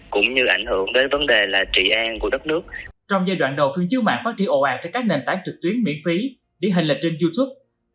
cho các nền tảng trực tuyến miễn phí đi hình lệch trên youtube